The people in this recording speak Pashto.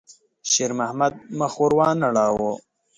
شېرمحمد مخ ور وانه ړاوه.